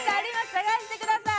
探してください